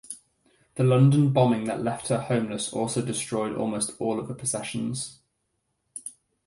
The London bombing that left her homeless also destroyed almost all of her possessions.